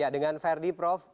dengan verdi prof